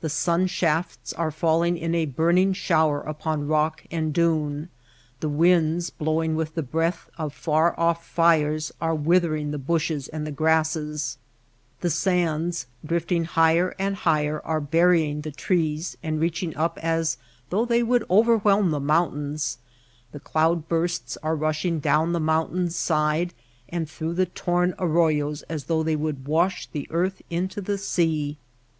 The sun shafts are falling in a burning shower upon rock and dune, the winds blowing with the breath of far off fires are withering the bushes and the grasses, the sands drifting higher and higher are burying the trees and reaching up as though they would overwhelm the mountains, the cloud bursts are rushing down the moun THE MAKE OF THE DESERT 27 tain's side and through the torn arroyos as though they would wash the earth into the sea.